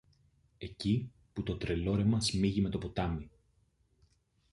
εκεί που το Τρελόρεμα σμίγει με το ποτάμι.